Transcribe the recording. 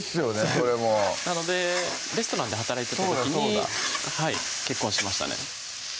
それもなのでレストランで働いてた時に結婚しましたね